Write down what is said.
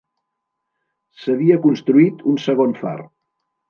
S'havia construït un segon far.